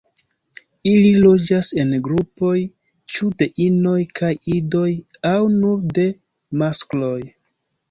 Ili loĝas en grupoj ĉu de inoj kaj idoj aŭ nur de maskloj.